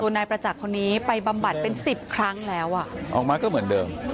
นายประจักษ์คนนี้ไปบำบัดเป็นสิบครั้งแล้วอ่ะออกมาก็เหมือนเดิม